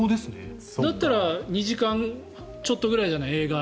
だったら２時間ちょっとぐらいじゃない映画。